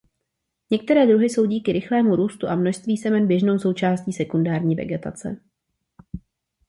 Některé druhy jsou díky rychlému růstu a množství semen běžnou součástí sekundární vegetace.